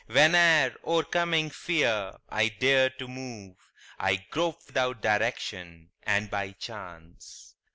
Whene'er, o'ercoming fear, I dare to move, I grope without direction and by chance.